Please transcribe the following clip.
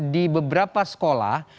di beberapa sekolah